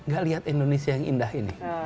gak lihat indonesia yang indah ini